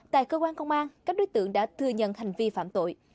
tại cơ quan công an các đối tượng đã thừa nhận hành vi phạm tội